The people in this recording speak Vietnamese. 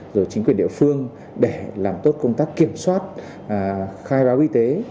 rồi chính quyền địa phương để làm tốt công tác kiểm soát khai báo y tế